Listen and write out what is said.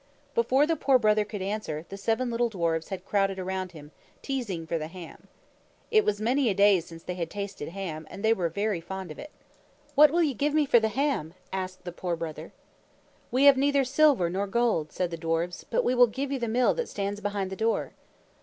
Before the Poor Brother could answer, the seven little dwarfs had crowded around him, teasing for the ham. It was many a day since they had tasted ham, and they were very fond of it. "What will you give me for the ham?" asked the Poor Brother. "We have neither silver nor gold," said the dwarfs, "but we will give you the Mill that stands behind the door."